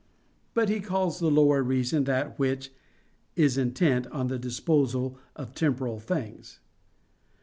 But he calls the lower reason that which "is intent on the disposal of temporal things."